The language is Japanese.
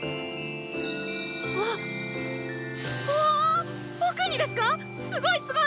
わっわぁあ僕にですか⁉すごいすごい！